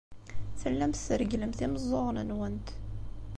Tellamt tregglemt imeẓẓuɣen-nwent.